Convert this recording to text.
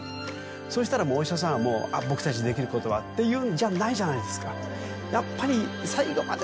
そうしたらお医者さんはもう「僕たちにできることは」って言うんじゃないじゃないですかやっぱり。